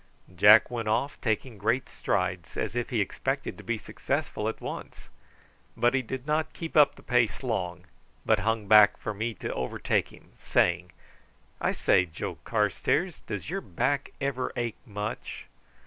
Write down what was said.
Jack went off; taking great strides as if he expected to be successful at once; but he did not keep up the pace long, but hung back for me to overtake him, saying: "I say, Joe Carstairs; does your back ever ache much?"